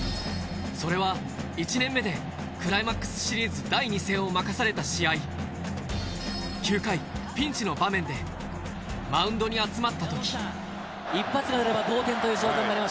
それは１年目でクライマックスシリーズ第２戦を任された試合９回ピンチの場面でマウンドに集まった時一発が出れば同点という状況になりました。